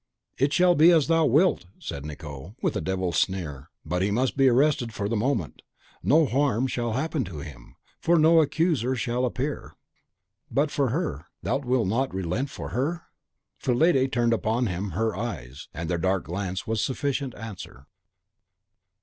"It shall be as thou wilt," said Nicot, with a devil's sneer; "but he must be arrested for the moment. No harm shall happen to him, for no accuser shall appear. But her, thou wilt not relent for her?" Fillide turned upon him her eyes, and their dark glance was sufficient answer.